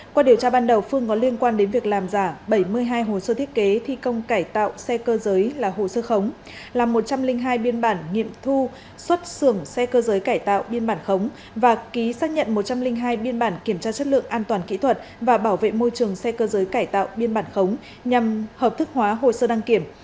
qua điều tra ban đầu phương có liên quan đến việc làm giả bảy mươi hai hồ sơ thiết kế thi công cải tạo xe cơ giới là hồ sơ khống làm một trăm linh hai biên bản nghiệm thu xuất xưởng xe cơ giới cải tạo biên bản khống và ký xác nhận một trăm linh hai biên bản kiểm tra chất lượng an toàn kỹ thuật và bảo vệ môi trường xe cơ giới cải tạo biên bản khống nhằm hợp thức hóa hồ sơ đăng kiểm